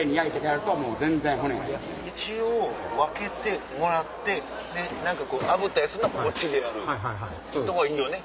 一応分けてもらってあぶったりするのはこっちでやるほうがいいよね。